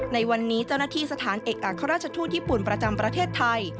ในวันนี้เจ้าหน้าที่สถานเอกอัครราชทูตญี่ปุ่นประจำประเทศไทย